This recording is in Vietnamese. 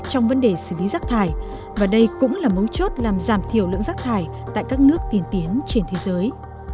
trong vấn đề xử lý rác thải và đây cũng là mấu chốt làm giảm thiểu lượng rác thải tại các nước tiền tiến trên thế giới